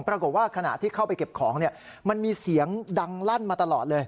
ปรากฏว่าขณะที่เข้าไปเก็บของมันมีเสียงดังลั่นมาตลอดเลย